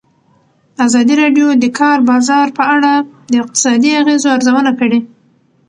ازادي راډیو د د کار بازار په اړه د اقتصادي اغېزو ارزونه کړې.